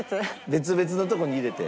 別々のとこに入れて。